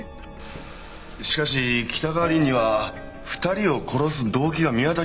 しかし北川凛には２人を殺す動機が見当たりません。